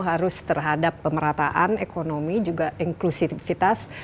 harus terhadap pemerataan ekonomi juga inklusivitas